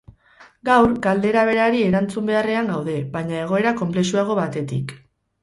Gaur, galdera berari erantzun beharrean gaude, baina egoera konplexuago batetik.